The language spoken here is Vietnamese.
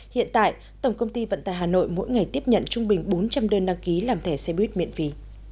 hiện tại tổng công ty vận tài hà nội mỗi ngày tiếp nhận trung bình bốn trăm linh đơn đăng ký làm thẻ xe buýt miễn phí